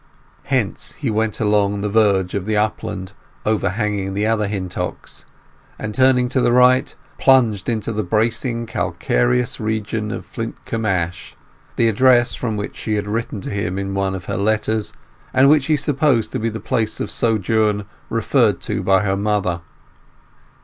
Thence he went along the verge of the upland overhanging the other Hintocks, and, turning to the right, plunged into the bracing calcareous region of Flintcomb Ash, the address from which she had written to him in one of the letters, and which he supposed to be the place of sojourn referred to by her mother.